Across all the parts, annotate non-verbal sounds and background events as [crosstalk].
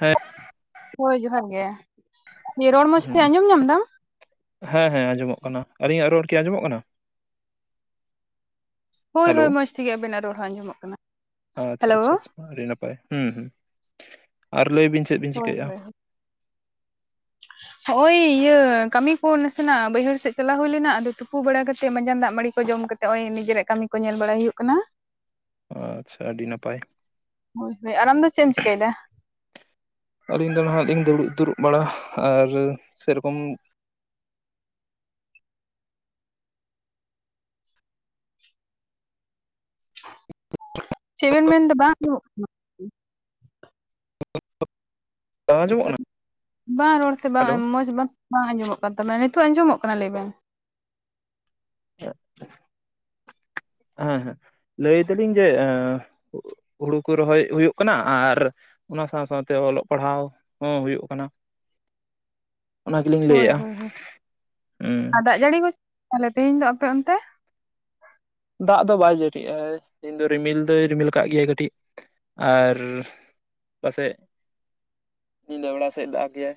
ᱦᱮᱸ ᱦᱳᱭ, ᱡᱚᱦᱟᱨ ᱜᱮ ᱨᱚᱲ ᱢᱚᱸᱡᱽ ᱛᱮ ᱦᱩᱸ ᱟᱸᱡᱚᱢ ᱧᱟᱢ ᱫᱟᱢ? ᱦᱮᱸ, ᱦᱮᱸ, ᱟᱸᱡᱚᱢᱚᱜ ᱠᱟᱱᱟ, ᱟᱹᱞᱤᱧᱟᱜ ᱨᱚᱲ ᱠᱤ ᱟᱸᱡᱚᱢᱚᱜ ᱠᱟᱱᱟ? ᱦᱳᱭ ᱦᱮᱞᱳ ᱦᱳᱭ ᱢᱚᱸᱡᱽ ᱛᱮᱜᱮ ᱟᱵᱮᱱᱟᱜ ᱨᱚᱲ ᱦᱚᱸ ᱟᱸᱡᱚᱢᱚᱜ ᱠᱟᱱᱟ᱾ ᱟᱪᱪᱷᱟ ᱦᱮᱞᱳ ᱟᱪᱪᱷᱟ ᱟᱪᱪᱷᱟ ᱟᱹᱰᱤ ᱱᱟᱯᱟᱭ ᱦᱩᱸ ᱦᱩᱸᱟᱨ ᱞᱟᱹᱭ ᱵᱤᱱ ᱪᱮᱜ ᱵᱤᱱ ᱦᱳᱭ ᱪᱤᱠᱟᱹᱜᱼᱟ? ᱦᱳᱭ ᱦᱚᱜ-ᱚᱭ ᱤᱭᱟᱹ ᱠᱟᱹᱢᱤ ᱠᱚ ᱱᱟᱥᱮᱱᱟᱜ ᱵᱟᱹᱭᱦᱟᱹᱲ ᱥᱮᱜ ᱪᱟᱞᱟᱣ ᱦᱩᱭ ᱞᱮᱱᱟ᱾ ᱟᱫᱚ ᱛᱩᱯᱩ ᱵᱟᱲᱟ ᱠᱟᱛᱮ ᱢᱟᱸᱡᱟᱱ ᱫᱟᱜ ᱢᱟᱲᱤ ᱠᱚ ᱡᱚᱢ ᱠᱟᱛᱮ ᱱᱚᱜ-ᱚᱭ ᱱᱤᱡᱮᱨᱟᱜ ᱠᱟᱹᱢᱤ ᱠᱚ ᱧᱮᱞ ᱵᱟᱲᱟᱭ ᱦᱩᱭᱩᱜ ᱠᱟᱱᱟ᱾ ᱟᱪᱪᱷᱟ ᱟᱹᱰᱤ ᱱᱟᱯᱟᱭ, ᱦᱳᱭ ᱥᱮ ᱟᱨ ᱟᱢᱫᱚ ᱪᱮᱜ ᱮᱢ ᱪᱤᱠᱟᱹᱭ ᱫᱟ? ᱟᱹᱞᱤᱧ ᱫᱚ ᱱᱟᱦᱟᱜ ᱞᱤᱧ ᱫᱩᱲᱩᱵ ᱫᱩᱲᱩᱵ ᱵᱟᱲᱟ ᱟᱨ ᱥᱮ ᱨᱚᱠᱚᱢ ᱪᱮᱫ ᱵᱮᱱ ᱢᱮᱱᱫᱟ ᱵᱟᱝ ᱟᱸᱡᱚᱢᱚᱜ ᱠᱟᱱᱟ? [inaudible] ᱵᱟᱝ ᱟᱸᱡᱚᱢᱚᱜ ᱠᱟᱱᱟ ᱦᱮᱞ ᱵᱟᱝ ᱨᱚᱲᱛᱮ ᱵᱟᱝ ᱦᱮᱞᱳ ᱢᱚᱡᱽ ᱵᱟᱝ ᱵᱟᱝ ᱟᱸᱡᱚᱢᱚᱜ ᱠᱟᱱ ᱛᱟᱵᱮᱱᱟ᱾ ᱱᱤᱛᱚᱜ ᱟᱸᱡᱚᱢᱚᱜ ᱠᱟᱱᱟ ᱞᱟᱹᱭᱵᱮᱱ᱾ ᱦᱮᱸ ᱦᱮᱸ ᱞᱟᱹᱭ ᱫᱟᱞᱤᱧ ᱡᱮ ᱦᱩᱲᱩ ᱠᱚ ᱨᱚᱦᱚᱭ ᱦᱩᱭᱩᱜ ᱠᱟᱱᱟ ᱟᱨ ᱚᱱᱟ ᱥᱟᱶ ᱥᱟᱶᱛᱮ ᱚᱞᱚᱜ ᱯᱟᱲᱦᱟᱣ ᱦᱚᱸ ᱦᱩᱭᱩᱜ ᱠᱟᱱᱟ᱾ ᱚᱱᱟ ᱜᱮᱞᱤᱧ ᱦᱳᱭ ᱞᱟᱹᱭᱮᱜᱼᱟ, ᱦᱳᱭ ᱦᱳᱭ ᱟᱨ ᱦᱩᱸ ᱫᱟᱜ ᱡᱟᱹᱲᱤ ᱠᱚ ᱛᱟᱦᱚᱞᱮ ᱛᱮᱦᱮᱧ ᱫᱚ ᱟᱯᱮ ᱚᱱᱛᱮ? ᱫᱟᱜ ᱫᱚ ᱵᱟᱭ ᱡᱟᱹᱲᱤᱜᱼᱟ ᱤᱧ ᱫᱚ ᱨᱤᱢᱤᱞ ᱫᱚᱭ ᱨᱤᱢᱤᱞ ᱠᱟᱜ ᱜᱮᱭᱟᱭ ᱠᱟᱹᱴᱤᱡ ᱟᱨ ᱯᱟᱥᱮᱡ ᱧᱤᱫᱟᱹ ᱵᱮᱲᱟ ᱥᱮᱜ ᱫᱟᱜ ᱜᱮᱭᱟ᱾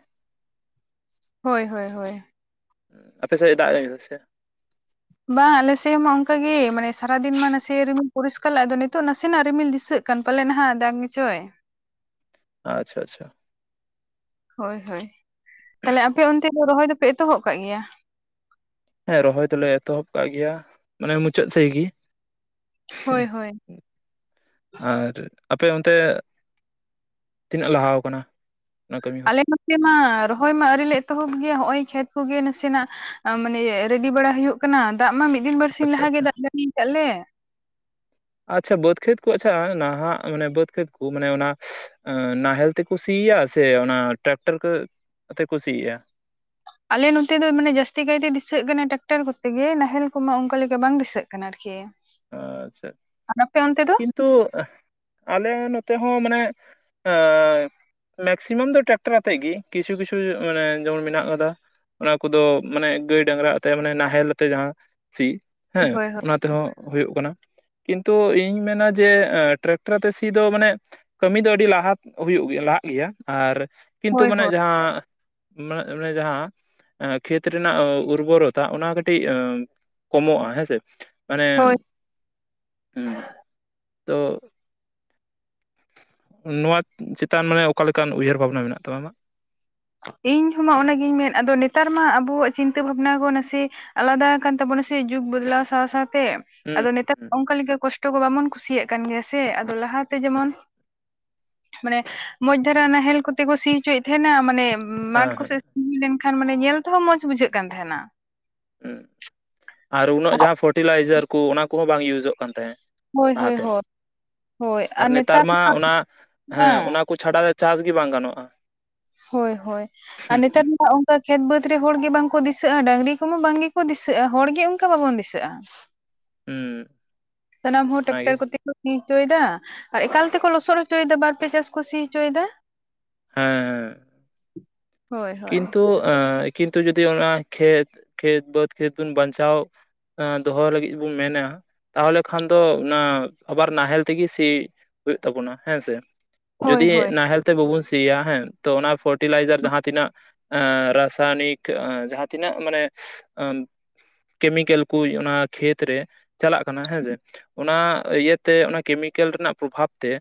ᱦᱳᱭ ᱦᱳᱭ ᱦᱳᱭ ᱟᱯᱮ ᱥᱮᱜ ᱫᱟᱜ ᱮᱫᱟ ᱥᱮ? ᱵᱟᱝ ᱟᱞᱮᱥᱮᱜ ᱢᱟ ᱚᱱᱠᱟ ᱜᱮ, ᱢᱟᱱᱮ ᱥᱟᱨᱟᱫᱤᱱ ᱢᱟ ᱱᱟᱥᱮ ᱨᱤᱢᱤᱞ ᱯᱚᱨᱤᱥᱠᱟᱨ ᱞᱮᱜ ᱟᱫᱚ ᱱᱤᱛᱚᱜ ᱱᱟᱥᱮᱱᱟᱜ ᱨᱤᱢᱤᱞ ᱫᱤᱥᱟᱹᱜ ᱠᱟᱱ ᱯᱟᱞᱮ ᱱᱟᱦᱟᱜ ᱫᱟᱜ ᱜᱮᱪᱚᱭ᱾ ᱟᱪᱪᱷᱟ ᱟᱪᱪᱷᱟ ᱦᱳᱭ ᱦᱳᱭ, ᱛᱟᱦᱚᱞᱮ ᱟᱯᱮ ᱚᱱᱛᱮ ᱫᱚ ᱨᱚᱦᱚᱭ ᱫᱚᱯᱮ ᱮᱛᱚᱦᱚᱵ ᱠᱟᱜ ᱜᱮᱭᱟ? ᱦᱮᱸ ᱨᱚᱦᱚᱭ ᱫᱚᱞᱮ ᱮᱛᱚᱦᱚᱵ ᱠᱟᱜ ᱜᱮᱭᱟ ᱢᱟᱱᱮ ᱢᱩᱪᱟᱹᱫ ᱥᱮᱡ ᱜᱤ᱾ ᱦᱳᱭ ᱦᱳᱭ ᱟᱨ ᱟᱯᱮ ᱚᱱᱛᱮ ᱛᱤᱱᱟᱹᱜ ᱞᱟᱦᱟᱣ ᱠᱟᱱᱟ ᱚᱱᱟ ᱠᱟᱹᱢᱤ ᱦᱚᱸ? ᱟᱞᱮ ᱱᱚᱛᱮ ᱢᱟ ᱨᱚᱦᱚᱭ ᱢᱟ ᱟᱹᱣᱨᱤ ᱞᱮ ᱮᱛᱚᱦᱚᱵ ᱜᱮᱭᱟ, ᱦᱚᱜᱼᱚᱭ ᱠᱷᱮᱛ ᱠᱚᱜᱮ ᱱᱟᱥᱮᱱᱟᱜ ᱢᱟᱱᱮ ᱨᱮᱰᱤ ᱵᱟᱲᱟ ᱦᱩᱭᱩᱜ ᱠᱟᱱᱟ, ᱫᱟᱜ ᱢᱟ ᱢᱤᱫ ᱫᱤᱱ ᱵᱟᱨᱥᱤᱧ ᱟᱪᱪᱷᱟ ᱞᱟᱦᱟ ᱜᱮ ᱟᱪᱪᱷᱟ ᱫᱟᱜ ᱡᱟᱲᱤ ᱠᱟᱫ ᱞᱮ᱾ ᱟᱪᱪᱷᱟ ᱵᱟᱹᱫᱽ ᱠᱷᱮᱛ ᱠᱚ ᱟᱪᱪᱷᱟ ᱱᱟᱦᱟᱜ ᱢᱟᱱᱮ ᱵᱟᱹᱫᱽ ᱠᱷᱮᱛ ᱠᱚ ᱢᱟᱱᱮ ᱚᱱᱟ ᱱᱟᱦᱮᱞ ᱛᱮᱠᱚ ᱥᱤᱭᱟ ᱥᱮ ᱚᱱᱟ ᱴᱨᱟᱠᱴᱟᱨ ᱛᱮᱠᱚ ᱥᱤᱭᱟ? ᱟᱞᱮ ᱱᱚᱛᱮ ᱫᱚ ᱢᱟᱱᱮ ᱡᱟᱹᱥᱛᱤ ᱠᱟᱭᱛᱮ ᱫᱤᱥᱟᱹᱜ ᱠᱟᱱᱟ ᱴᱟᱠᱴᱟᱨ ᱠᱚᱛᱮ ᱜᱮ, ᱱᱟᱦᱮᱞ ᱠᱚᱢᱟ ᱚᱱᱠᱟ ᱞᱮᱠᱟ ᱵᱟᱝ ᱫᱤᱥᱟᱹᱜ ᱠᱷᱟᱱ ᱟᱨᱠᱤ, ᱟᱪᱪᱷᱟ ᱟᱨ ᱟᱯᱮ ᱚᱱᱛᱮ ᱫᱚ ᱠᱤᱱᱛᱩ ᱟᱞᱮ ᱱᱚᱛᱮ ᱦᱚᱸ ᱢᱟᱱᱮ ᱮᱸ ᱢᱮᱠᱥᱤᱢᱟᱢ ᱫᱚ ᱴᱟᱠᱴᱟᱨ ᱟᱛᱮᱜ ᱜᱮ ᱠᱤᱪᱷᱩ ᱠᱤᱪᱷᱩ ᱢᱟᱱᱮ ᱡᱮᱢᱚᱱ ᱢᱮᱱᱟᱜ ᱠᱟᱫᱟ᱾ ᱚᱱᱟ ᱠᱚᱫᱚ ᱢᱟᱱᱮ ᱜᱟᱹᱭ ᱰᱟᱝᱨᱟ ᱟᱛᱮ ᱢᱟᱱᱮ ᱱᱟᱦᱮᱞ ᱟᱛᱮ ᱡᱟᱦᱟᱸ ᱥᱤ ᱦᱮᱸ ᱦᱳᱭ ᱦᱳᱭ ᱚᱱᱟ ᱛᱮᱦᱚᱸ ᱦᱩᱭᱩᱜ ᱠᱟᱱᱟ, ᱠᱤᱱᱛᱩ ᱤᱧ ᱢᱮᱱᱟ ᱡᱮ ᱴᱨᱮᱠᱴᱟᱨ ᱛᱮ ᱥᱤ ᱫᱚ ᱢᱟᱱᱮ ᱠᱟᱹᱢᱤ ᱫᱚ ᱟᱹᱰᱤ ᱞᱟᱦᱟ ᱦᱩᱭᱩᱜ ᱜᱮᱭᱟ ᱞᱟᱦᱟᱜ ᱜᱮᱭᱟ ᱟᱨ ᱠᱤᱱᱛᱩ ᱦᱳᱭ ᱢᱟᱱᱮ ᱦᱳᱭ ᱡᱟᱦᱟᱸ ᱢᱮ ᱢᱟᱱᱮ ᱡᱟᱦᱟᱸ ᱠᱷᱮᱛ ᱨᱮᱱᱟᱜ ᱩᱨᱵᱚᱨᱚᱛᱟ ᱚᱱᱟ ᱠᱟᱹᱴᱤᱡ ᱠᱚᱢᱚᱜᱼᱟ ᱦᱮᱸ ᱥᱮ᱾ ᱢᱟᱱᱮ ᱩᱦᱩᱸᱜ ᱛᱚ ᱱᱚᱣᱟ ᱪᱮᱛᱟᱱ ᱢᱟᱱᱮ ᱚᱠᱟ ᱞᱮᱠᱟᱱ ᱩᱭᱦᱟᱹᱨ ᱵᱷᱟᱵᱽᱱᱟ ᱢᱮᱱᱟᱜ ᱛᱟᱢᱟ ᱟᱢᱟᱜ᱾ ᱤᱧᱦᱚᱸ ᱢᱟ ᱚᱱᱟᱜᱤᱧ ᱢᱮᱱ ᱟᱫᱚ ᱱᱮᱛᱟᱨ ᱢᱟ ᱟᱵᱚᱣᱟᱜ ᱪᱤᱱᱛᱟᱹ ᱵᱷᱟᱵᱽᱱᱟ ᱵᱚ ᱱᱟᱥᱮ ᱟᱞᱟᱫᱟ ᱟᱠᱟᱱ ᱛᱟᱵᱚᱱᱟ ᱥᱮ ᱡᱩᱜᱽ ᱵᱚᱫᱽᱞᱟᱣ ᱥᱟᱶ ᱥᱟᱶᱛᱮ ᱦᱮᱸ ᱟᱫᱚ ᱱᱮᱛᱟᱨ ᱚᱱᱠᱟ ᱞᱮᱠᱟ ᱠᱚᱥᱴᱚ ᱠᱚ ᱵᱟᱵᱚᱱ ᱠᱩᱥᱤᱭᱟᱜ ᱠᱟᱱ ᱜᱮᱭᱟ ᱥᱮ᱾ ᱟᱫᱚ ᱞᱟᱦᱟᱛᱮ ᱡᱮᱢᱚᱱ ᱢᱟᱱᱮ ᱢᱚᱸᱡᱽ ᱫᱷᱟᱨᱟ ᱱᱟᱦᱮᱞ ᱠᱚᱛᱮ ᱠᱚ ᱥᱤ ᱦᱚᱪᱚᱭᱮᱫ ᱛᱟᱦᱮᱸᱱᱟ ᱢᱟᱱᱮ ᱢᱟᱴᱷ ᱦᱮᱸ ᱦᱮᱸ ᱠᱚᱥᱮᱫ ᱥᱤ ᱞᱮᱱᱠᱷᱟᱱ ᱢᱟᱱᱮ ᱧᱮᱞ ᱛᱮᱦᱚᱸ ᱢᱚᱸᱡᱽ ᱵᱩᱡᱷᱟᱹᱜ ᱠᱟᱱ ᱛᱟᱦᱮᱱᱟ᱾ ᱟᱨ ᱩᱱᱟᱹᱜ ᱡᱟᱦᱟᱸ ᱯᱷᱚᱨᱴᱤᱞᱟᱭᱡᱟᱨ ᱠᱚ ᱚᱱᱟ ᱠᱚᱦᱚᱸ ᱵᱟᱝ ᱤᱭᱩᱡᱚᱜ ᱠᱟᱱ ᱛᱟᱦᱮᱸᱜ᱾ ᱦᱳᱭ ᱦᱳᱭ ᱞᱟᱦᱟᱛᱮ ᱦᱳᱭ ᱟᱨ ᱱᱮᱛᱟᱨ ᱢᱟ ᱚᱱᱟ ᱦᱮᱸ ᱵᱟᱝ ᱚᱱᱟ ᱠᱚ ᱪᱷᱟᱰᱟᱣ ᱫᱚ ᱪᱟᱥ ᱜᱮ ᱵᱟᱝ ᱜᱟᱱᱚᱜᱼᱟ᱾ ᱦᱳᱭ ᱦᱳᱭ ᱟᱨ ᱱᱮᱛᱟᱨ ᱫᱚ ᱠᱷᱮᱛ ᱵᱟᱹᱫᱽ ᱨᱮ ᱦᱚᱲ ᱜᱮ ᱵᱟᱝᱠᱚ ᱫᱤᱥᱟᱹᱜᱼᱟ ᱰᱟᱹᱟᱝᱨᱤ ᱠᱚᱢᱟ ᱵᱟᱝ ᱜᱮᱠᱚ ᱫᱤᱥᱟᱹᱜᱼᱟ ᱦᱚᱲ ᱜᱮ ᱚᱱᱠᱟ ᱵᱟᱵᱚᱱ ᱫᱤᱥᱟᱹᱜᱼᱟ᱾ ᱦᱮᱸ ᱥᱟᱱᱟᱢ ᱴᱟᱠᱴᱚᱨ ᱠᱚᱛᱮ ᱠᱚ ᱥᱤ ᱦᱚᱪᱚᱭᱮᱫᱟ ᱟᱨ ᱮᱠᱟᱞ ᱛᱮᱠᱚ ᱞᱚᱥᱚᱫ ᱦᱚᱪᱚᱭᱮᱫᱟ ᱵᱟᱨ ᱯᱮ ᱪᱟᱥ ᱠᱚ ᱥᱤ ᱦᱚᱪᱚᱭᱮᱫᱟ᱾ ᱦᱮᱸ ᱦᱮᱸ [inaudible] ᱠᱤᱱᱛᱩ ᱠᱤᱱᱛᱩ ᱡᱩᱫᱤ ᱚᱱᱟ ᱠᱷᱮᱛ ᱠᱷᱮᱛ ᱵᱟᱹᱫᱽ ᱠᱷᱮᱛ ᱵᱚᱱ ᱵᱟᱧᱪᱟᱣ ᱫᱚᱦᱚ ᱞᱟᱹᱜᱤᱫ ᱵᱚᱱ ᱢᱮᱱᱟ᱾ ᱛᱟᱦᱚᱞᱮ ᱠᱷᱟᱱ ᱫᱚ ᱚᱱᱟ ᱟᱵᱟᱨ ᱱᱟᱦᱮᱞ ᱛᱮᱜᱮ ᱥᱤᱳᱜ ᱛᱟᱵᱚᱱᱟ ᱦᱮᱸ ᱥᱮ ᱦᱳᱭ ᱡᱩᱚᱫᱤ ᱦᱳᱭ ᱱᱟᱦᱮᱞ ᱛᱮ ᱵᱟᱵᱩᱱ ᱥᱤᱭᱟ ᱦᱮᱸ ᱛᱚ ᱚᱱᱟ ᱯᱷᱟᱨᱴᱤᱞᱟᱭᱡᱟᱨ ᱡᱟᱦᱟᱸ ᱛᱤᱱᱟᱹᱜ ᱨᱟᱥᱟᱭᱱᱤᱠ ᱡᱟᱦᱟᱸ ᱛᱤᱱᱟᱹᱜ ᱢᱟᱱᱮ ᱠᱮᱢᱤᱠᱮᱞ ᱠᱚ ᱚᱱᱟ ᱠᱷᱮᱛ ᱨᱮ ᱪᱟᱞᱟᱜ ᱠᱟᱱᱟ ᱦᱮᱸᱥᱮ᱾ ᱚᱱᱟ ᱤᱭᱟᱹᱛᱮ ᱚᱱᱟ ᱠᱮᱢᱤᱠᱮᱞ ᱨᱮᱱᱟᱜ ᱯᱨᱚᱵᱷᱟᱵᱽ ᱛᱮ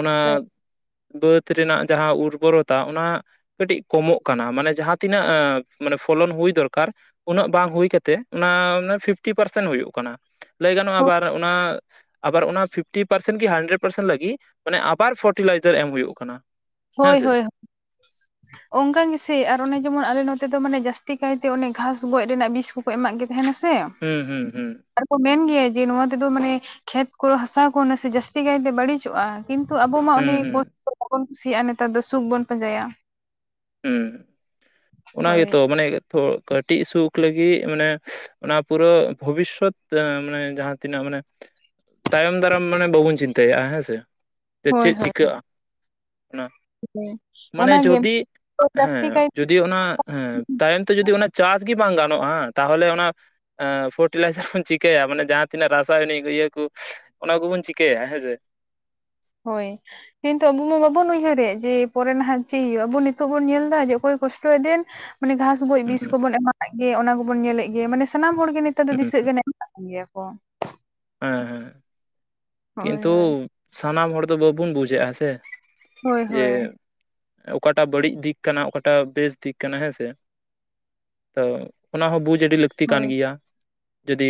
ᱚᱱᱟ ᱵᱟᱹᱫᱽ ᱨᱮᱱᱟᱜ ᱡᱟᱦᱟᱸ ᱩᱨᱵᱚᱨᱚᱛᱟ, ᱚᱱᱟ ᱠᱟᱹᱴᱤᱡ ᱠᱚᱢᱚᱜ ᱠᱟᱱᱟ ᱢᱟᱱᱮ ᱡᱟᱦᱟᱸ ᱛᱤᱱᱟᱹᱜ ᱢᱟᱱᱮ ᱯᱷᱚᱞᱚᱱ ᱦᱩᱭ ᱫᱚᱨᱠᱟᱨ ᱩᱱᱟᱹᱜ ᱵᱟᱝ ᱦᱩᱭ ᱠᱟᱛᱮᱜ ᱚᱱᱟ ᱯᱷᱤᱯᱴᱤ ᱯᱟᱨᱥᱮᱱᱴ ᱦᱩᱭᱩᱜ ᱠᱟᱱᱟ᱾ ᱞᱟᱹᱭ ᱜᱟᱱᱚᱜᱼᱟ ᱟᱵᱟᱨ ᱚᱱᱟ ᱟᱵᱟᱨ ᱚᱱᱟ ᱯᱷᱤᱯᱴᱤ ᱯᱟᱨᱥᱮᱱ ᱠᱤ ᱦᱟᱱᱰᱨᱮᱰ ᱯᱟᱨᱥᱮᱱ ᱞᱟᱹᱜᱤᱫ ᱢᱟᱱᱮ ᱟᱵᱟᱨ ᱯᱷᱟᱨᱴᱤᱞᱟᱭᱡᱟᱨ ᱮᱢ ᱦᱩᱭᱩᱜ ᱠᱟᱱᱟ᱾ ᱦᱳᱭ ᱦᱳᱭ ᱦᱮᱸᱥᱮ ᱦᱳᱭ [inaudible] ᱚᱱᱠᱟ ᱜᱮᱥᱮ ᱟᱨ ᱚᱱᱮ ᱡᱮᱢᱚᱱ ᱟᱞᱮ ᱱᱚᱛᱮ ᱫᱚ ᱢᱟᱱᱮ ᱡᱟᱹᱥᱛᱤ ᱠᱟᱭᱛᱮ ᱚᱱᱮ ᱜᱷᱟᱥ ᱜᱚᱡ ᱨᱮᱱᱟᱜ ᱵᱤᱥ ᱠᱚᱠᱚ ᱮᱢᱟᱜ ᱜᱮ ᱛᱟᱦᱮᱱᱟ ᱥᱮ ᱦᱩᱸ ᱦᱩᱸ ᱦᱩᱸ ᱟᱨ ᱠᱚ ᱢᱮᱱ ᱜᱮᱭᱟ ᱡᱮ ᱱᱚᱣᱟ ᱛᱮᱫᱚ ᱢᱟᱱᱮ ᱠᱷᱮᱛ ᱠᱚᱨᱮ ᱦᱟᱥᱟ ᱠᱚ ᱱᱟᱥᱮ ᱡᱟᱹᱥᱛᱤ ᱠᱟᱭᱛᱮ ᱵᱟᱹᱲᱤᱡᱚᱜᱼᱟ᱾ ᱠᱤᱱᱛᱩ ᱟᱵᱚ ᱢᱟ ᱚᱱᱮ ᱦᱩᱸ ᱦᱩᱸ ᱠᱚᱥᱴ ᱵᱟᱵᱚᱱ ᱠᱩᱥᱤᱭᱟᱜᱼᱟ ᱱᱮᱛᱟᱨ ᱫᱚ ᱥᱩᱠ ᱵᱚᱱ ᱯᱟᱸᱡᱟᱭᱟ᱾ ᱦᱸ ᱚᱱᱟ ᱦᱳᱭ ᱜᱮᱛᱚ ᱢᱟᱱᱮ ᱠᱟᱹᱴᱤᱡ ᱥᱩᱠ ᱞᱟᱹᱜᱤᱫ ᱢᱟᱱᱮ ᱚᱱᱟ ᱯᱩᱨᱟᱹ ᱵᱷᱚᱵᱤᱥᱥᱚᱛ ᱢᱟᱱᱮ ᱡᱟᱦᱟᱸ ᱛᱤᱱᱟᱹᱜ ᱢᱟᱱᱮ ᱛᱟᱭᱚᱢ ᱫᱟᱨᱟᱢ ᱢᱟᱱᱮ ᱵᱟᱵᱚᱱ ᱪᱤᱱᱛᱟᱹᱼᱟ ᱦᱮᱸᱥᱮ ᱡ ᱪᱮᱫ ᱪᱤᱠᱟᱹᱜᱼᱟ ᱚᱱᱟ ᱦᱮ ᱢᱟᱱᱮ ᱚᱱᱟᱜᱮ ᱡᱩᱫᱤ ᱡᱟᱹᱥᱛᱤ ᱦᱮᱸ ᱠᱟᱭ ᱡᱩᱫᱤ ᱚᱱᱟ ᱦᱮᱸ ᱛᱟᱭᱚᱢ ᱛᱮ ᱡᱩᱫᱤ ᱚᱱᱟ ᱪᱟᱥ ᱜᱮ ᱵᱟᱝ ᱜᱟᱱᱚᱜᱼᱟ ᱛᱟᱦᱚᱞᱮ ᱚᱱᱟ ᱯᱷᱟᱨᱴᱤᱞᱟᱭᱡᱟᱨ ᱵᱚᱱ ᱪᱤᱠᱟᱹᱭᱟ ᱢᱟᱱᱮ ᱡᱟᱦᱟᱸ ᱛᱱᱟᱹᱜ ᱨᱟᱥᱟᱭᱚᱱᱤᱠ ᱤᱭᱟᱹ ᱠᱚ᱾ ᱚᱱᱟ ᱠᱚᱵᱚᱱ ᱪᱤᱠᱟᱹᱭᱟ ᱦᱮᱸᱥᱮ᱾ ᱦᱳᱭ ᱠᱤᱱᱛᱩ ᱟᱵᱚ ᱢᱟ ᱵᱟᱵᱚᱱ ᱩᱭᱦᱟᱹᱨᱮᱫ ᱡᱮ ᱯᱚᱨᱮ ᱱᱟᱦᱟᱜ ᱪᱮᱫ ᱦᱳᱭᱳᱼᱟ, ᱟᱵᱚ ᱱᱤᱛᱚᱜ ᱵᱚᱱ ᱧᱮᱞ ᱮᱫᱟ ᱡᱮ ᱚᱠᱚᱭ ᱠᱚᱥᱴᱚᱭ ᱮ ᱫᱮᱱ ᱢᱟᱱᱮ ᱜᱷᱟᱸᱥ ᱜᱚᱡ ᱵᱤᱥ ᱦᱩᱸ ᱠᱚᱵᱚᱱ ᱮᱢᱢᱟᱫ ᱜᱮ ᱚᱱᱟ ᱠᱚᱵᱚᱱ ᱧᱮᱞᱮᱫ ᱜᱮ ᱢᱟᱱᱮ ᱥᱟᱱᱟᱢ ᱦᱚᱲ ᱜᱮ ᱱᱮᱛᱟᱨ ᱫᱚ ᱦᱩᱸ ᱫᱤᱥᱟᱹᱜ ᱠᱟᱱᱟ᱾ ᱜᱮᱭᱟ ᱠᱚ᱾ ᱦᱮᱸ ᱦᱮᱸ ᱦᱳᱭ ᱠᱤᱱᱛᱩ ᱦᱳᱭ ᱥᱟᱱᱟᱢ ᱦᱚᱲ ᱫᱚ ᱵᱟᱵᱚᱱ ᱵᱩᱡᱷᱮᱫ ᱟ ᱥᱮ ᱦᱳᱭ ᱡᱮ ᱦᱳᱭ ᱚᱠᱟᱴᱟᱜ ᱵᱟᱹᱲᱤᱡ ᱫᱤᱠ ᱠᱟᱱᱟ ᱚᱠᱟᱴᱟᱜ ᱵᱮᱥ ᱫᱤᱠ ᱠᱟᱱᱟ ᱦᱮᱸᱥᱮ᱾ ᱛᱚ ᱚᱱᱟᱦᱚᱸ ᱵᱩᱡᱽ ᱟᱹᱰᱤ ᱞᱟᱹᱠᱛᱤ ᱠᱟᱱ ᱦᱳᱭ ᱜᱮᱭᱟ ᱡᱩᱫᱤ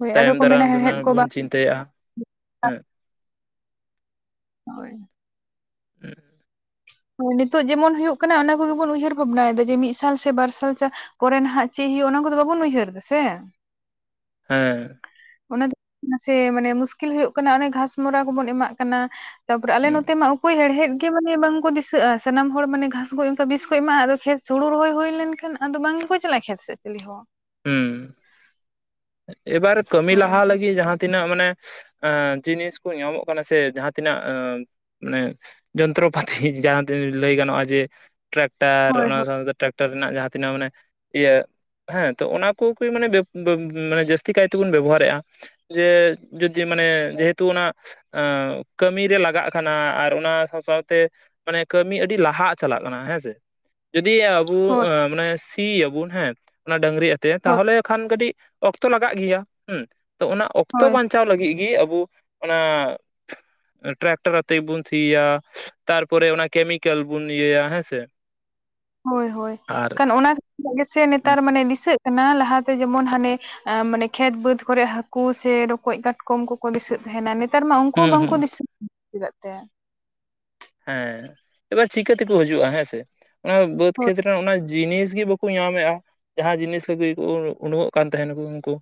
ᱦᱳᱭ ᱟᱫᱚ ᱠᱚ ᱢᱮᱱᱟ ᱦᱮᱲᱦᱮᱫ ᱠᱚ ᱵᱟᱝ ᱪᱤᱱᱛᱟᱹᱟᱹᱜᱼᱟ ᱦᱮᱸ᱾ ᱦᱳᱭ ᱦᱮᱸ ᱦᱮᱸ ᱱᱤᱛᱳᱜ ᱡᱮᱢᱚᱱᱳᱭᱳᱜ ᱚᱱᱟ ᱠᱚᱜᱮᱵᱚᱱ ᱩᱭᱦᱟᱹᱨ ᱵᱷᱟᱵᱱᱟᱭᱮᱫᱟ ᱡᱮ ᱢᱤᱫ ᱥᱟᱞ ᱥᱮ ᱵᱟᱨ ᱥᱟᱞ ᱪᱟᱥ ᱯᱚᱨᱮ ᱱᱟᱦᱟᱜ ᱪᱮᱫ ᱦ ᱦᱩᱭᱩᱜᱼᱟ ᱚᱱᱟ ᱠᱚᱫᱚ ᱵᱟᱵᱚᱱ ᱩᱭᱦᱟᱹᱨ ᱮᱫᱟ ᱥᱮ᱾ ᱦᱮᱸ ᱚᱱᱟ ᱫᱚ ᱥᱮ ᱢᱟᱱᱮ ᱢᱩᱥᱠᱤᱞ ᱦᱩᱭᱩᱜ ᱠᱟᱱᱟ ᱚᱱᱮ ᱜᱷᱟᱥᱢᱚᱨᱟ ᱠᱚᱵᱚᱱ ᱮᱢᱟᱜ ᱠᱟᱱᱟ᱾ ᱛᱟᱯᱚ ᱨᱮ ᱟᱞᱮ ᱱᱚ ᱛᱮ ᱢᱟ ᱚᱠᱚᱭ ᱦᱮᱲ ᱦᱮᱫ ᱜᱮ ᱢᱟᱱᱮ ᱵᱟᱝᱠᱚ ᱫᱤᱥᱟᱹᱜᱼᱟ ᱥᱟᱱᱟᱢ ᱦᱚᱲ ᱢᱟ ᱱᱮ ᱜᱷᱟᱥ ᱠᱚ ᱚᱱᱠᱟ ᱵᱤᱥ ᱠᱚ ᱮᱢᱟᱜᱼᱟ, ᱟᱫᱚ ᱠᱷᱮᱛ ᱦᱩᱲᱩ ᱨᱚᱦᱚᱭ ᱦᱩᱭ ᱞᱮᱱ ᱠᱷᱟᱱ ᱟᱫᱚ ᱵᱟᱝ ᱠᱚ ᱪᱟᱞᱟᱜᱼᱟ ᱠᱷᱮᱛ ᱥᱮᱫ ᱪᱤᱞᱤ ᱦᱚᱸ᱾ ᱦᱩᱸ ᱮᱵᱟᱨ ᱠᱟᱹᱢᱤ ᱦᱳᱭ ᱞᱟᱦᱟ ᱞᱟᱹᱜᱤᱫ ᱡᱟᱦᱟᱸ ᱛᱤᱱᱟᱹᱜ ᱢᱟᱱᱮ ᱟᱸ ᱡᱤᱱᱤᱥ ᱠᱚ ᱧᱟᱢᱚᱜ ᱠᱟᱱᱟ ᱥᱮ ᱡᱟᱦᱟᱸ ᱛᱤᱱᱟᱹᱜ ᱢᱟᱱᱮ ᱡᱚᱱᱛᱨᱚ ᱯᱟᱛᱤ ᱡᱟᱦᱟᱸ ᱛᱤᱱᱟᱹᱜ ᱞᱟᱹᱭ ᱜᱟᱱᱚᱜᱼᱟ ᱡᱮ ᱴᱨᱟᱠᱴᱟᱨ ᱦᱳᱭ ᱚᱱᱟ ᱦᱳᱭ ᱥᱟᱶᱛᱮ ᱴᱨᱟᱠᱴᱟᱨ ᱨᱮᱱᱟᱜ ᱡᱟᱦᱟᱸ ᱛᱤᱱᱟᱹᱜ ᱢᱟᱱᱮ, ᱤᱭᱟᱹ ᱦᱮᱸ ᱛᱚ ᱚᱱᱟ ᱠᱚᱜ ᱢᱟᱱᱮ ᱵᱮ-ᱵᱮ ᱢᱟᱱᱮ ᱡᱟᱹᱥ ᱛᱤ ᱠᱟᱭ ᱛᱮ ᱵᱚᱱ ᱵᱮᱵᱚ ᱦᱟᱨ ᱮᱜᱼᱟ ᱡᱮ ᱡᱩᱫᱤ ᱢᱟᱱᱮ ᱡᱮᱦᱮ ᱛᱩ ᱚᱱᱟ ᱠᱟᱹᱢᱤ ᱨᱮ ᱞᱟᱜᱟᱜ ᱠᱟᱱᱟ ᱟᱨ ᱚᱱᱟ ᱥᱟᱶ ᱥᱟᱶᱛᱮ ᱢᱟᱱᱮ ᱠᱟᱹᱢᱤ ᱟᱹᱰᱤ ᱞᱟᱦᱟᱜ ᱪᱟᱞᱟᱜ ᱠᱟᱱᱟ ᱦᱮᱸᱥᱮ᱾ ᱡᱩᱫᱤ ᱟᱵᱚ ᱦᱳᱭ ᱢᱟᱱᱮ ᱥᱤ ᱟᱵᱚᱱ ᱦᱮᱸ ᱚᱱᱟ ᱰᱟᱝᱨᱤ ᱟᱛᱮᱫ ᱦᱳᱭ ᱛᱟᱦᱚᱞᱮ ᱠᱷᱟᱱ ᱠᱟᱹᱴᱤᱡ ᱚᱠᱛᱚ ᱞᱟᱜᱟᱜ ᱜᱮᱭᱟ ᱦᱮᱸ ᱛᱚ ᱚᱱᱟ ᱚᱠᱛᱚ ᱦᱳᱭ ᱵᱟᱧᱪᱟᱣ ᱞᱟᱹᱜᱤᱫ ᱜᱮ ᱟᱵᱚ ᱚᱱᱟ ᱴᱨᱟᱠᱴᱟᱨ ᱟᱛᱮᱜ ᱵᱚᱱ ᱥᱤᱭᱟ᱾ ᱛᱟᱨᱯᱚᱨᱮ ᱚᱱᱟ ᱠᱮᱢᱤᱠᱮᱞ ᱵᱚᱱ ᱤᱭᱟᱹᱭᱟ ᱦᱮᱸ ᱥᱮ᱾ ᱦᱳᱭ ᱦᱳᱭ ᱟᱨ ᱚᱱᱟᱜ ᱜᱮ ᱥᱮ ᱦᱩᱸ ᱱᱮᱛᱟᱨ ᱢᱟᱱᱮ ᱫᱤᱥᱟᱹᱜ ᱠᱟᱱᱟ ᱞᱟᱦᱟ ᱛᱮ ᱡᱮᱢᱚᱱ ᱦᱟᱱᱮ ᱢᱟᱱᱮ ᱠᱷᱮᱛ ᱵᱟᱹᱫᱽ ᱠᱚᱨᱮᱜ ᱦᱟᱹᱠᱩ ᱥᱮ ᱨᱚᱠᱚᱡ ᱠᱟᱴ ᱠᱚᱢ ᱠᱚ ᱠᱚ ᱫᱤᱥᱟᱹᱜ ᱛᱟᱦᱮᱸ ᱱᱟ ᱱᱤᱛ ᱱᱮᱛᱟᱨ ᱢᱟ ᱩᱝᱠᱩ ᱦᱚᱸ ᱵᱟᱝᱠᱚ ᱦᱩᱸ ᱫᱤᱥᱟᱹᱜ [unintelligible] ᱦᱮᱸ ᱮᱵᱟᱨ ᱪᱤᱠᱟᱹ ᱛᱮᱠᱚ ᱦᱤᱡᱩᱜᱼᱟ ᱦᱮᱸ ᱥᱮ ᱚᱱᱟ ᱵᱟᱹᱫᱽ ᱠᱷᱮᱛ ᱨᱮᱱᱟᱜ ᱚᱱᱟ ᱡᱤᱱᱤᱥ ᱜᱮ ᱵᱟᱠᱚ ᱧᱟᱢᱮᱜᱼᱟ ᱡᱟᱦᱟᱸ ᱡᱤᱱᱤᱥ ᱠᱚᱛᱮ ᱠᱚ ᱩᱰᱩᱠ ᱚᱜ ᱠᱟᱱ ᱛᱟᱦᱮ ᱱᱟᱠᱚ ᱩᱱᱠᱩ᱾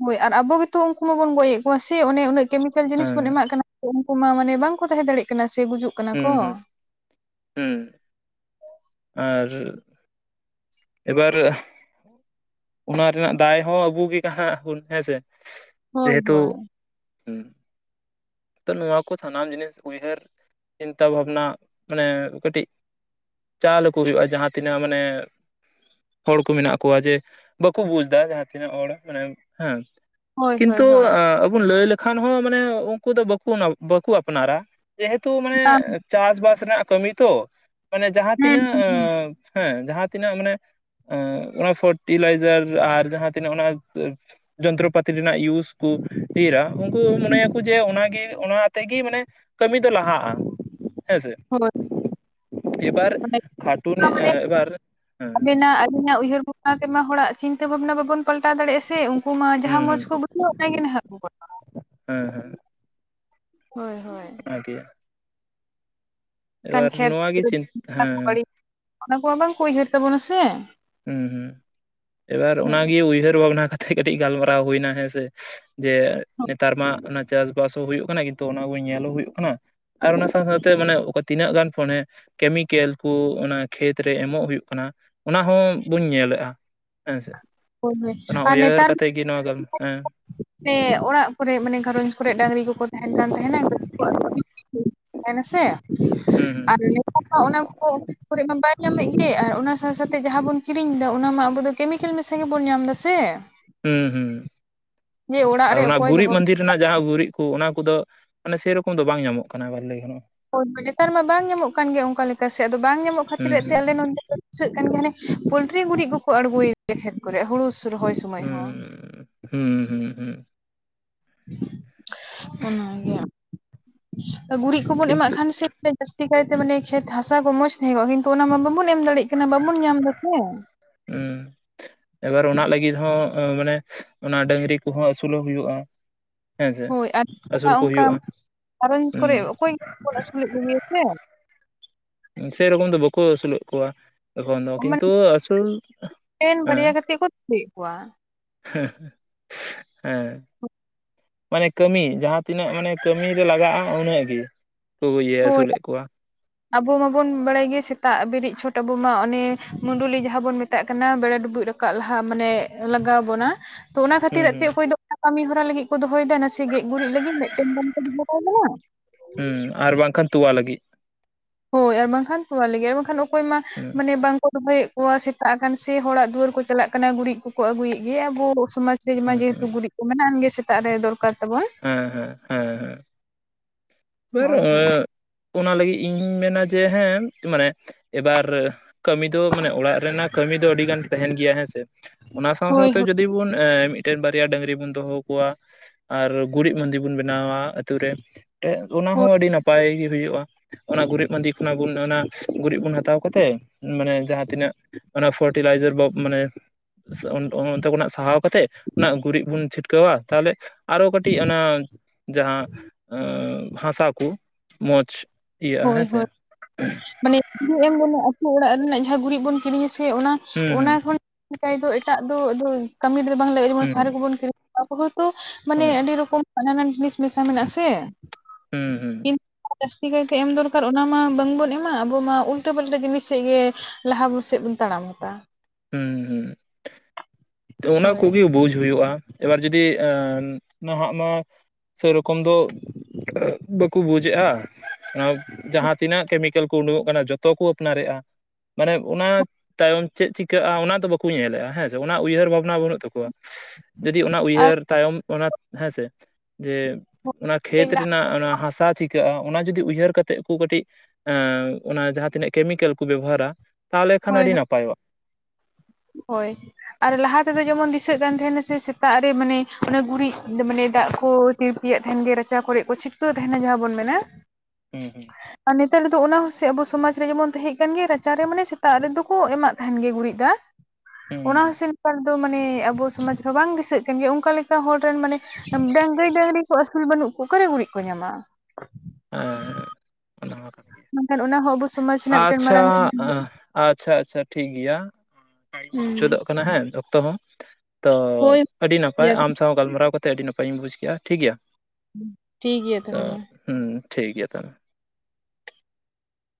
ᱦᱳᱭ ᱟᱨ ᱟᱵᱚ ᱜᱮᱛᱚ ᱩᱱᱠᱩ ᱢᱟᱵᱚᱱ ᱜᱚᱡᱮᱫ ᱠᱚᱣᱟ ᱥᱮ ᱚᱱᱮ ᱩᱱᱟᱹᱜ ᱠᱮᱢᱤ ᱠᱮᱞ ᱡᱤᱱᱤᱥ ᱦᱮᱸ ᱵᱚᱱ ᱮᱢᱟᱜ ᱠᱟᱱᱟ᱾ ᱩᱱᱠᱩ ᱢᱟ ᱢᱟᱱᱮ ᱵᱟᱝᱠᱚ ᱛᱟᱦᱮᱸ ᱫᱟᱲᱮ ᱭᱟᱜ ᱠᱟᱱᱟ ᱥᱮ ᱜᱩᱡᱩᱜ ᱠᱟᱱᱟ ᱠᱚ ᱦᱮᱸ ᱦᱩᱸ ᱦᱩᱸ ᱟᱨ ᱮᱵᱟᱨ ᱚᱱᱟ ᱨᱮᱱᱟᱜ ᱫᱟᱭ ᱦᱚᱸ ᱟᱵᱩ ᱜᱮ ᱠᱟᱱᱟ ᱵᱚᱱ ᱦᱮᱸᱥᱮ᱾ ᱡᱮ ᱦᱳᱭ ᱦᱮᱛᱩ ᱦᱳᱭ ᱛᱚ ᱱᱚᱣᱟ ᱠᱚ ᱥᱟᱱᱟᱢ ᱡᱤᱱᱤᱥ ᱩᱭᱦᱟᱹᱨ ᱪᱤᱱᱛᱟ ᱵᱷᱟᱵᱽ ᱱᱟ ᱢᱟᱱᱮ ᱠᱟᱹᱴᱤᱜ ᱪᱟᱞ ᱟᱠ ᱠᱩ ᱦᱩᱭᱩᱜᱼᱟ ᱡᱟᱦᱟᱸ ᱛᱤᱱᱟᱹᱜ ᱢᱟᱱᱮ ᱦᱚᱲ ᱠᱚ ᱢᱮᱱᱟᱜ ᱠᱚᱣᱟ ᱡᱮ ᱵᱟᱠᱚ ᱵᱩᱡ ᱫᱟ ᱡᱟᱦᱟᱸ ᱛᱤᱱᱟᱹᱜ ᱦᱚᱲ ᱢᱟᱱᱮ ᱦᱮᱸ᱾ ᱦᱳᱭ ᱦᱳᱭ ᱠᱤᱱᱛᱩ ᱦᱳᱭ ᱟᱵᱚ ᱞᱟᱹᱭ ᱞᱮᱠᱷᱟᱱ ᱦᱚᱸ ᱢᱟᱱᱮ ᱩᱱᱠᱩ ᱫᱚ ᱵᱟᱠᱚ ᱵᱟᱠᱚ ᱟᱯᱱᱟᱨᱟ᱾ ᱡᱮ ᱦᱮᱛᱩ ᱢᱟᱱᱮ ᱪᱟᱥ ᱵᱟᱥ ᱨᱮᱱᱟᱜ ᱠᱟᱹᱢᱤ ᱛᱚ᱾ ᱢᱟᱱᱮ ᱡᱟᱦᱟᱸ ᱦᱮᱸ ᱛᱤᱱᱟᱹᱜ ᱦᱮᱸ ᱡᱟᱦᱟᱸ ᱛᱤᱱᱟᱹᱜ ᱢᱟᱱᱮ᱾ ᱚᱱᱟ ᱯᱷᱚᱨᱴᱤᱞᱟᱭᱡᱟᱨ ᱟᱨ ᱡᱟᱦᱟᱸ ᱛᱤᱱᱟᱹᱜ ᱚᱱᱟ ᱡᱚᱱᱛᱨᱚ ᱯᱟᱛᱤ ᱨᱮᱱᱟᱜ ᱤᱭᱩᱥ ᱠᱚ ᱤᱨᱟ ᱩᱝᱠᱩ ᱢᱚᱱᱮᱭᱟ ᱠᱚ ᱡᱮ ᱚᱱᱟ ᱜᱮ ᱚᱱᱟ ᱛᱮ ᱜᱮ ᱢᱟᱱᱮ ᱠᱟᱹᱢᱤ ᱫᱚ ᱞᱟᱦᱟᱜᱼᱟ ᱦᱮᱸᱥᱮ᱾ ᱦᱳᱭ ᱮᱵᱟᱨ ᱢᱟᱱᱮ ᱠᱷᱟᱴᱩᱱ ᱮᱵᱟᱨ ᱚᱱᱟ ᱛᱮ ᱢᱟ ᱦᱚᱲᱟᱜ ᱪᱤᱱᱛᱟᱹ ᱵᱷᱟᱵᱽ ᱱᱟ ᱵᱟᱵᱚᱱ ᱯᱟᱞᱴᱟᱣ ᱫᱟᱲᱮᱭᱟᱜᱼᱟ ᱥᱮ ᱩᱝᱠᱩ ᱡᱟᱦᱟ ᱦᱩᱸ ᱢᱚᱸᱡ ᱦᱩᱸ ᱠᱚ ᱵᱩᱡᱷᱟᱹᱣᱟ ᱚᱱᱟ ᱜᱮ ᱱᱟᱦᱟᱜ ᱠᱚᱨᱟᱣᱟ᱾ ᱦᱮᱸ ᱦᱮᱸ ᱦᱳᱭ ᱦᱳᱭ [unintelligible] ᱮᱱᱠᱷᱟᱱ ᱮᱵᱟᱨ ᱠᱷᱮᱛ ᱱᱚᱣᱟ ᱜᱮ ᱪᱤᱱ ᱦᱮᱸ ᱵᱟᱹᱫ ᱚᱱᱟ ᱠᱚ [unintelligible] ᱩᱭᱦᱟᱹᱨ ᱛᱟᱵᱚᱱᱟ ᱥᱮ᱾ ᱦᱩᱸ ᱦᱩᱸ ᱮᱵᱟᱨ ᱚᱱᱟ ᱜᱮ ᱩᱭᱦᱟᱹᱨ ᱵᱷᱟᱵᱽᱱᱟ ᱠᱟᱛᱮᱜ ᱠᱟᱹᱴᱤᱡ ᱜᱟᱞ ᱢᱟᱨᱟᱣ ᱦᱳᱭᱱᱟ ᱦᱮᱸ ᱥᱮ᱾ ᱡᱮ ᱱᱮᱛᱟᱨ ᱢᱟ ᱚᱱᱟ ᱪᱟᱥ ᱵᱟᱥ ᱦᱚᱸ ᱦᱩᱭᱩᱜ ᱠᱟᱱᱟ ᱠᱤᱱᱛᱩ ᱚᱱᱟ ᱠᱚ ᱧᱮᱞ ᱦᱚᱸ ᱦᱩᱭᱩᱜ ᱠᱟᱱᱟ᱾ ᱟᱨ ᱚᱱᱟ ᱥᱟᱶ ᱥᱟᱶ ᱛᱮ ᱢᱟᱱᱮ ᱚᱠᱟ ᱛᱤᱱᱟᱹᱜ ᱜᱟᱱ ᱯᱷᱳ ᱱᱮ ᱠᱮᱢᱤᱠᱮᱞ ᱠᱚ ᱚᱱᱟ ᱠᱷᱮᱛ ᱨᱮ ᱮᱢᱚᱜ ᱦᱩᱭᱩᱜ ᱠᱟᱱᱟ ᱚᱱᱟ ᱦᱚᱸ ᱵᱟᱹᱱ ᱧᱮᱞᱮᱜᱼᱟ ᱦᱮᱸᱥᱮ, ᱦᱳᱭ ᱦᱳᱭ ᱚᱱᱮ ᱩᱭᱦᱟᱹᱨ ᱠᱟᱛᱮ ᱜᱮ ᱱᱚᱣᱟ ᱫᱚ ᱦᱮᱸ ᱥᱮ ᱚᱲᱟᱜ ᱠᱚᱨᱮᱜ ᱢᱟᱱᱮ ᱜᱷᱟᱨᱟᱹᱧ ᱠᱚᱨᱮ ᱰᱟᱝᱨᱤ ᱠᱚ ᱠᱚ ᱛᱟᱦᱮᱱ ᱠᱟᱱ ᱛᱟᱦᱮᱱᱟ [unintelligible] ᱛᱟᱦᱮᱱᱟ ᱥᱮ ᱦᱩᱸ [unintelligible] ᱚᱱᱟ ᱠᱚ ᱠᱚᱨᱮ ᱢᱟ ᱵᱟᱭ ᱧᱟᱢᱮᱜ ᱜᱮ ᱟᱨ ᱚᱱᱟ ᱥᱟᱶ ᱥᱟᱶᱛᱮ ᱡᱟᱦᱟᱸ ᱵᱚᱱ ᱠᱤᱨᱤᱧ ᱫᱟ ᱚᱱᱟ ᱢᱟ ᱟᱵᱚ ᱫᱚ ᱠᱮᱢᱤᱠᱮᱞ ᱢᱮᱥᱟ ᱜᱮ ᱵᱚᱱ ᱧᱟᱢ ᱫᱟ ᱥᱮ᱾ ᱦᱩᱸ ᱦᱩᱸ ᱡᱮ ᱚᱲᱟᱜ ᱟᱨ ᱨᱮ ᱚᱱᱟ ᱚᱠᱚᱭ ᱜᱩᱨᱤᱡ ᱫᱚᱦᱚ ᱢᱟᱱᱫᱤᱨ ᱨᱮᱱᱟᱜ ᱡᱟᱦᱟᱸ ᱜᱩᱨᱤᱜ ᱠᱚ ᱚᱱᱟ ᱠᱚᱫᱚ ᱢᱟᱱᱮ ᱥᱮᱨᱚᱠᱚᱢ ᱫᱚ ᱵᱟᱝ ᱧᱟᱢᱚᱜ ᱠᱟᱱᱟ ᱵᱷᱟᱞᱮ ᱦᱚᱸ᱾ ᱦᱳᱭ ᱱᱮᱛᱟᱨ ᱢᱟ ᱵᱟᱝ ᱧᱟᱢᱚᱜ ᱠᱟᱱ ᱜᱮᱭᱟ ᱚᱱᱠᱟ ᱞᱮᱠᱟ ᱥᱮᱫ ᱫᱚ ᱵᱟᱝ ᱧᱟᱢᱚᱜ ᱠᱷᱟᱹᱛᱤᱨ ᱦᱩᱸ ᱛᱮ ᱦᱩᱸ ᱟᱞᱮ ᱱᱚᱸᱰᱮ ᱫᱚ ᱵᱩᱡᱷᱟᱹᱣ ᱠᱟᱱ ᱜᱮᱭᱟ ᱦᱟᱱᱮ ᱯᱳᱞᱴᱤᱨᱤ ᱜᱩᱨᱤᱜ ᱠᱚᱠᱚ ᱟᱲᱜᱳᱭ ᱜᱮ ᱠᱷᱮᱛ ᱠᱚᱨᱮ ᱦᱳᱲᱳ ᱨᱚᱦᱚᱭ ᱥᱚᱢᱚᱭ ᱦᱚᱸ ᱦᱩᱸ ᱦᱩᱸ ᱦᱩᱸ ᱦᱩᱸ ᱚᱱᱟᱜᱮ ᱜᱩᱨᱤᱡᱽ ᱠᱚᱵᱚᱱ ᱮᱢᱟᱜ ᱠᱤᱱᱛᱩ ᱠᱷᱟᱱ ᱥᱮ ᱡᱟᱹᱥᱛᱤ ᱠᱟᱭᱛᱮ ᱢᱟᱱᱮ ᱠᱷᱮᱛ ᱦᱟᱥᱟ ᱠᱚ ᱢᱚᱸᱡᱽ ᱛᱟᱦᱮᱸ ᱠᱚᱜᱼᱟ ᱠᱤᱱᱛᱩ ᱚᱱᱟ ᱢᱟ ᱵᱟᱵᱚᱱ ᱮᱢ ᱫᱟᱲᱮᱭᱟᱜ ᱠᱟᱱᱟ ᱵᱟᱵᱚᱱ ᱧᱟᱢ ᱮᱫᱟ ᱥᱮ ᱦᱩᱸ ᱮᱵᱟᱨ ᱚᱱᱟ ᱞᱟᱹᱜᱤᱫ ᱦᱚᱸ ᱢᱟᱱᱮ ᱚᱱᱟ ᱰᱟᱝᱨᱤ ᱠᱚᱸᱦᱚᱸ ᱟᱹᱥᱩᱞᱚ ᱦᱩᱭᱩᱜᱼᱟ᱾ ᱦᱮᱸᱥᱮ ᱦᱳᱭ ᱟᱨ ᱟᱹᱥᱩᱞ ᱠᱚ ᱚᱱᱠᱟ ᱦᱩᱭᱩᱜᱼᱟ᱾ ᱜᱷᱟᱨᱚᱸᱡᱽ ᱠᱚᱨᱮ ᱦᱮᱸ ᱚᱠᱚᱭ [unintelligible] ᱥᱮᱨᱚᱠᱚᱢ ᱫᱚ ᱵᱟᱠᱚ ᱟᱹᱥᱩᱞᱮᱫ ᱠᱚᱣᱟ᱾ ᱛᱚᱠᱷᱚᱱ ᱫᱚ ᱢᱟᱱᱮ ᱠᱤᱱᱛᱩ ᱟᱹᱥᱩᱞ ᱴᱮᱱ ᱵᱟᱨᱭᱟ ᱠᱟᱛᱮᱫ ᱠᱚ ᱛᱩᱫᱮᱫ ᱠᱚᱣᱟ ᱦᱮᱦᱮᱸ ᱦᱮᱸ ᱢᱟᱱᱮ ᱠᱟᱹᱢᱤ ᱡᱟᱦᱟᱸ ᱛᱤᱱᱟᱹᱜ ᱢᱟᱱᱮ ᱠᱟᱹᱢᱤᱨᱮ ᱞᱟᱜᱟᱜᱼᱟ ᱩᱱᱟᱹᱜ ᱜᱮ ᱠᱚ ᱤᱭᱟᱹ ᱦᱳᱭ ᱟᱹᱥᱩᱞᱮᱫ ᱠᱚᱣᱟ᱾ ᱟᱵᱚ ᱢᱟᱵᱚᱱ ᱵᱟᱲᱟᱭ ᱜᱮ ᱥᱮᱛᱟᱜ ᱵᱮᱨᱤᱫ ᱪᱷᱚᱴ ᱟᱵᱚ ᱢᱟ ᱚᱱᱮ ᱢᱩᱰᱩᱞᱤ ᱡᱟᱦᱟᱸ ᱵᱚᱱ ᱢᱮ ᱢᱮᱛᱟᱜ ᱠᱟᱱᱟ ᱵᱮᱲᱟ ᱰᱩᱵᱩᱡ ᱨᱟᱠᱟᱵ ᱞᱟᱦᱟᱜ ᱢᱟᱱᱮ ᱞᱟᱜᱟᱣ ᱵᱚᱱᱟ ᱛᱚ ᱚᱱᱟ ᱠᱷᱟᱹᱛᱤᱨ ᱦᱩᱸ ᱛᱮ ᱦᱩᱸ ᱚᱠᱚᱭ ᱫᱚ ᱠᱟᱹᱢᱤ ᱦᱚᱨᱟ ᱞᱟᱹᱜᱤᱫ ᱠᱚ ᱫᱚᱦᱚᱭᱫᱟ ᱱᱟᱥᱮ ᱜᱮᱡ ᱜᱩᱨᱤᱡᱽ ᱞᱟᱹᱜᱤᱫ ᱢᱤᱫᱴᱮᱱ ᱜᱟᱱ ᱠᱚ ᱫᱚᱦᱚ ᱠᱟᱭ ᱠᱟᱱᱟ ᱦᱩᱸ ᱟᱨ ᱵᱟᱝᱠᱷᱟᱱ ᱛᱚᱣᱟ ᱞᱟᱹᱜᱤᱫ᱾ ᱦᱳᱭ ᱟᱨ ᱵᱟᱝᱠᱷᱟᱱ ᱛᱚᱣᱟ ᱞᱟᱹᱜᱤᱫ ᱟᱨ ᱵᱟᱝᱠᱷᱟᱱ ᱚᱠᱚᱭ ᱢᱟ ᱦᱩᱸ ᱢᱟᱱᱮ ᱵᱟᱝ ᱫᱚᱦᱚᱭᱮᱫ ᱠᱚᱣᱟ ᱥᱮᱛᱟᱜ ᱟᱠᱟᱱ ᱥᱮ ᱦᱚᱲᱟᱜ ᱫᱩᱣᱟᱹᱨ ᱠᱚ ᱪᱟᱞᱟᱜ ᱠᱟᱱᱟ ᱜᱩᱨᱤᱡᱽ ᱠᱚᱠᱚ ᱟᱹᱜᱩᱭᱮᱫ ᱜᱮᱭᱟ ᱟᱵᱚ ᱥᱚᱢᱟᱡᱽ ᱥᱮᱨᱢᱟ ᱦᱩᱸ ᱦᱩᱸ ᱡᱮᱦᱮᱛᱩ ᱜᱩᱨᱤᱡ ᱠᱚ ᱢᱮᱱᱟᱱ ᱜᱮ ᱥᱮᱛᱟᱜ ᱨᱮ ᱫᱚᱨᱠᱟᱨ ᱛᱟᱵᱚᱱ ᱦᱮᱸ ᱦᱮᱸ ᱦᱮᱸ ᱮᱵᱟᱨ ᱦᱳᱭ ᱦᱳᱭ ᱚᱱᱟ ᱞᱟᱹᱜᱤᱫ ᱤᱧ ᱢᱮᱱᱟ ᱡᱮ ᱦᱮᱸ ᱢᱟᱱᱮ ᱮᱵᱟᱨ ᱠᱟᱹᱢᱤ ᱫᱚ ᱢᱟᱱᱮ ᱚᱲᱟᱜ ᱨᱮᱱᱟᱜ ᱠᱟᱹᱢᱤ ᱫᱚ ᱟᱹᱰᱤ ᱜᱟᱱ ᱛᱟᱦᱮᱸᱱ ᱜᱮᱭᱟ ᱦᱮᱸ ᱥᱮ᱾ ᱚᱱᱟ ᱥᱟᱶ ᱦᱳᱭ ᱥᱟᱶᱛᱮ ᱡᱩᱫᱤ ᱵᱚᱱ ᱮᱸ ᱢᱤᱫᱴᱮᱱ ᱵᱟᱨᱭᱟ ᱰᱟᱹᱝᱨᱤ ᱵᱚᱱ ᱫᱚᱦᱚ ᱠᱚᱣᱟ᱾ ᱟᱨ ᱜᱩᱨᱤᱡᱽ ᱢᱟᱹᱫᱤ ᱵᱚᱱ ᱵᱮᱱᱟᱣᱟ ᱟᱛᱳ ᱨᱮ᱾ ᱮ ᱚᱱᱟ ᱦᱚᱸ ᱦᱳᱭ ᱟᱹᱰᱤ ᱱᱟᱯᱟᱭ ᱜᱮ ᱦᱩᱭᱩᱜᱼᱟ ᱚᱱᱟ ᱜᱩᱨᱤᱡᱽ ᱢᱟᱹᱫᱤ ᱚᱱᱟ ᱚᱱᱟ ᱜᱩᱨᱤᱡᱽ ᱵᱚᱱ ᱦᱟᱛᱟᱣ ᱠᱟᱛᱮᱫ ᱢᱟᱱᱮ ᱡᱟᱦᱟᱸ ᱛᱤᱱᱟᱹᱜ ᱚᱱᱟ ᱯᱷᱟᱨᱴᱤᱞᱟᱭᱡᱟᱨ ᱵᱚᱠ ᱢᱟᱱᱮ ᱚᱱᱛᱮ ᱠᱷᱚᱱᱟᱜ ᱥᱟᱦᱟᱣ ᱠᱟᱛᱮᱫ ᱚᱱᱟ ᱜᱩᱨᱤᱡᱽ ᱵᱚᱱ ᱪᱷᱤᱴᱠᱟᱹᱣᱟ ᱛᱟᱦᱚᱞᱮ ᱟᱨᱚ ᱠᱟᱹᱴᱤᱡᱽ ᱚᱱᱟ ᱡᱟᱦᱟᱸ ᱦᱟᱥᱟ ᱠᱚ ᱢᱚᱡᱽ ᱤᱭᱟᱹᱜᱼᱟ ᱦᱳᱭ ᱦᱮᱸᱥᱮ ᱦᱳᱭ ᱢᱟᱱᱮ [unintelligible] ᱮᱢ ᱨᱮᱱᱟᱜ ᱟᱛᱳ ᱚᱲᱟᱜ ᱨᱮᱱᱟᱜ ᱡᱟᱦᱟᱸ ᱜᱩᱨᱤᱡᱽ ᱵᱚᱱ ᱠᱤᱨᱤᱧᱟ ᱥᱮ ᱚᱱᱟ ᱦᱩᱸ ᱚᱱᱟ ᱦᱩᱸ ᱠᱷᱚᱱ ᱫᱚ ᱮᱴᱟᱜ ᱫᱚ ᱟᱫᱚ ᱠᱟᱹᱢᱤ ᱨᱮᱫᱚ ᱵᱟᱝ ᱞᱟᱜᱼᱟ ᱡᱮᱢᱚᱱ ᱪᱟᱨ ᱦᱩᱸ ᱨᱮᱵᱚᱱ ᱠᱤᱨᱤᱧ ᱟᱵᱚ ᱦᱚᱭᱛᱳ ᱢᱟᱱᱮ ᱦᱮᱸ ᱟᱹᱰᱤ ᱨᱚᱠᱚᱢ ᱦᱟᱱᱟᱱᱟᱣᱟ ᱡᱤᱱᱤᱥ ᱢᱮᱥᱟ ᱢᱮᱱᱟᱜ ᱟᱥᱮ᱾ ᱦᱩᱸ ᱦᱩᱸ [unintelligible] ᱥᱮ ᱮᱢ ᱫᱚᱨᱠᱟᱨ ᱚᱱᱟ ᱢᱟ ᱵᱟᱝᱵᱚᱱ ᱮᱢᱟ ᱟᱵᱚ ᱢᱟ ᱩᱞᱴᱟᱹ ᱯᱟᱹᱞᱴᱟᱹ ᱡᱤᱱᱤᱥ ᱥᱮᱫ ᱜᱮ ᱞᱟᱦᱟ ᱵᱚ ᱥᱮᱫ ᱵᱚᱱ ᱛᱟᱲᱟᱢᱫᱟ᱾ ᱦᱩᱸ ᱦᱩᱸ ᱚᱱᱟ ᱦᱳᱭ ᱠᱚᱜᱮ ᱵᱩᱡᱽ ᱦᱩᱭᱩᱜᱼᱟ, ᱮᱵᱟᱨ ᱡᱩᱫᱤ ᱮᱸ ᱱᱟᱦᱟᱜ ᱢᱟ ᱥᱮᱨᱚᱠᱚᱢ ᱫᱚ ᱵᱟᱠᱚ ᱵᱩᱡᱮᱼᱟ ᱚᱱᱟ ᱡᱟᱦᱟᱸ ᱛᱤᱱᱟᱹᱜ ᱠᱮᱢᱤᱠᱮᱞ ᱠᱚ ᱩᱰᱩᱠᱚᱜ ᱠᱟᱱᱟ ᱡᱚᱛᱚ ᱠᱚ ᱟᱯᱱᱟᱨᱮᱫᱼᱟ᱾ ᱢᱟᱱᱮ ᱚᱱᱟ ᱛᱟᱭᱚᱢ ᱪᱮᱫ ᱪᱤᱠᱟᱹᱜᱼᱟ ᱚᱱᱟ ᱫᱚ ᱵᱟᱠᱚ ᱧᱮᱞᱮᱫᱼᱟ᱾ ᱦᱮᱸᱥᱮ ᱩᱭᱦᱟᱹᱨ ᱵᱷᱟᱵᱱᱟ ᱵᱟᱹᱱᱩᱜ ᱛᱟᱠᱚᱣᱟ ᱡᱩᱫᱤ ᱚᱱᱟ ᱟᱨ ᱩᱭᱦᱟᱹᱨ ᱛᱟᱭᱚᱢ ᱚᱱᱟ ᱦᱮᱸᱥᱮ ᱡᱮ ᱚᱱᱟ ᱠᱷᱮᱛ ᱨᱮᱱᱟᱜ ᱚᱱᱟ ᱦᱟᱥᱟ ᱪᱤ ᱠᱟᱜ-ᱟ, ᱚᱱᱟ ᱡᱩᱫᱤ ᱩᱭᱦᱟᱹᱨ ᱠᱟᱛᱮᱜ ᱠᱚ ᱠᱟᱹᱴᱤᱡ ᱮᱸ ᱚᱱᱟ ᱡᱟᱦᱟᱸ ᱛᱤᱱᱟᱹᱜ ᱠᱮᱢᱤᱠᱮᱞ ᱠᱚ ᱵᱮᱵᱚᱦᱟᱨᱟ ᱛᱟᱦᱚᱞᱮ ᱠᱷᱟᱱ ᱦᱳᱭ ᱟᱹᱰᱤ ᱱᱟᱯᱟᱭᱚᱜᱼᱟ᱾ ᱦᱳᱭ ᱟᱨ ᱞᱟᱦᱟ ᱛᱮᱫᱚ ᱡᱮᱢᱚᱱ ᱫᱤᱥᱟᱹᱜ ᱠᱟᱱ ᱛᱟᱸᱦᱮᱱᱟ ᱥᱮ ᱥᱮᱛᱟᱜ ᱨᱮ ᱢᱟᱱᱮ ᱚᱱᱮ ᱜᱩᱨᱤᱡᱽ ᱢᱟᱱᱮ ᱫᱟᱜ ᱠᱚ ᱯᱤᱲᱯᱤᱭᱮᱫ ᱛᱟᱦᱮᱸᱱ ᱜᱮ ᱨᱟᱪᱟ ᱠᱚᱨᱮ ᱠᱚ ᱪᱷᱤᱴᱠᱟᱹᱣ ᱛᱟᱸᱦᱮᱱᱟ ᱡᱟᱦᱟᱸ ᱵᱚᱱ ᱢᱮᱱᱟ ᱦᱩᱸ ᱦᱩᱸ ᱟᱨ ᱱᱮᱛᱟᱨ ᱫᱚ ᱚᱱᱟ ᱦᱚᱸᱟᱥᱮ ᱟᱵᱚ ᱥᱚᱢᱟᱡᱽ ᱨᱮ ᱡᱮᱢᱚᱱ ᱛᱟᱦᱮᱸ ᱠᱟᱱ ᱜᱮ ᱨᱟᱪᱟ ᱨᱮ ᱢᱟᱱᱮ ᱥᱮᱛᱟᱜ ᱨᱮᱫᱚ ᱠᱚ ᱮᱢᱟᱜ ᱛᱟᱦᱮᱱ ᱜᱮ ᱜᱩᱨᱤᱡᱽ ᱫᱟᱜ ᱦᱩᱸ ᱚᱱᱟ ᱦᱩᱸ ᱦᱚᱸᱥ ᱱᱮᱛᱟᱨ ᱫᱚ ᱢᱟᱱᱮ ᱟᱵᱚ ᱥᱚᱢᱟᱡᱽ ᱨᱮ ᱵᱟᱝ ᱫᱤᱥᱟᱹᱜ ᱠᱟᱱ ᱜᱮᱭᱟ ᱚᱱᱠᱟ ᱞᱮᱠᱟ ᱚᱠᱟ ᱦᱚᱲ ᱨᱮᱱ ᱢᱟᱱᱮ ᱰᱟᱝᱟᱹᱭ ᱰᱟᱹᱟᱝᱨᱤ ᱠᱚ ᱟᱹᱥᱩᱞ ᱵᱟᱹᱱᱩᱜ ᱠᱚᱣᱟ ᱚᱠᱟᱨᱮ ᱜᱩᱨᱤᱡ ᱠᱚ ᱧᱟᱢᱟ ᱚᱱᱟ ᱠᱟᱱ ᱜᱮ ᱢᱮᱱᱠᱷᱟᱱ ᱚᱱᱟ ᱦᱚᱸ ᱟᱵᱚ ᱥᱚᱢᱟᱡᱽ ᱨᱮᱱᱟᱜ ᱢᱤᱫᱴᱮᱱ ᱟᱪᱪᱷᱟ ᱢᱟᱨᱟᱝ ᱟᱪᱪᱷᱟ ᱟᱪᱪᱷᱟ ᱴᱷᱤᱠ ᱜᱮᱭᱟ ᱴᱟᱭᱤᱢ ᱦᱩᱸ ᱢᱩᱪᱟᱹᱫᱚᱜ ᱠᱟᱱᱟ ᱦᱮᱸ ᱚᱠᱛᱚ ᱦᱚᱸ ᱛᱚ ᱦᱳᱭ ᱟᱹᱰᱤ ᱱᱟᱯᱟᱭ ᱜᱮᱭᱟ ᱟᱢ ᱥᱟᱶ ᱜᱟᱞᱢᱟᱨᱟᱣ ᱠᱟ ᱠᱟᱛᱮᱮᱫ ᱟᱹᱰᱤ ᱱᱟᱯᱟᱭᱤᱧ ᱵᱩᱡᱽ ᱠᱮᱫᱼᱟ ᱴᱷᱤᱠ ᱜᱮᱭᱟ᱾ ᱴᱷᱤᱠ ᱜᱮᱭᱟ ᱛᱚ ᱛᱟᱦᱚᱞᱮ ᱢᱟ ᱴᱷᱤᱠ ᱜᱮᱭᱟ ᱛᱟᱦᱚᱞᱮ